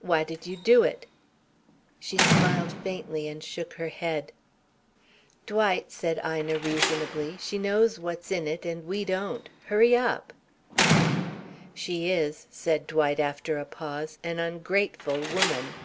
"Why did you do it?" She smiled faintly and shook her head. "Dwight," said Ina, reasonably, "she knows what's in it and we don't. Hurry up." "She is," said Dwight, after a pause, "an ungrateful woman."